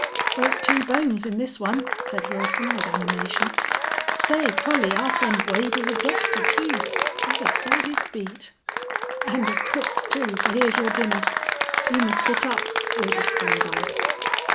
"Broke two bones in this one," said Wilson, with animation. "Say, Collie, our friend Wade is a doctor, too. Never saw his beat!" "And a cook, too, for here's your dinner. You must sit up," ordered Columbine.